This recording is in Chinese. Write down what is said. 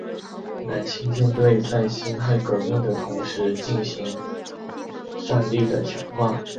南清舰队在辛亥革命的同时进行战力的强化。